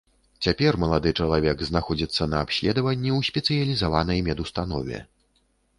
Цяпер малады чалавек знаходзіцца на абследаванні ў спецыялізаванай медустанове.